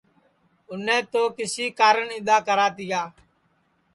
اُنے تو کسی کارن اِدؔا کرا تیا